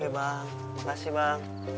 oke bang makasih bang